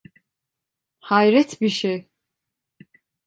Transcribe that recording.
Hayret bir şey!